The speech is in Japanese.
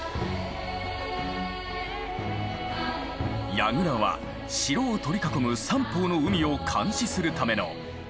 櫓は城を取り囲む三方の海を監視するための重要な建物。